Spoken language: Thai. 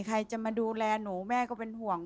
ใครจะมาดูแลหนูแม่ก็เป็นห่วง